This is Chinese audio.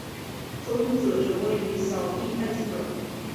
周天子的权威已扫地殆尽了。